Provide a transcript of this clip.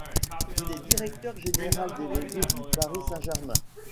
Il est directeur général délégué du Paris Saint-Germain.